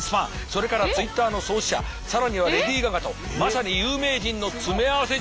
それからＴｗｉｔｔｅｒの創始者更にはレディー・ガガとまさに有名人の詰め合わせ状態だ。